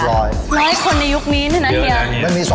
แบบแบบแบบ